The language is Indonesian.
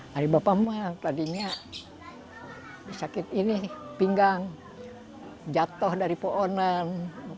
dari bapak mah tadinya sakit ini pinggang jatuh dari pohonan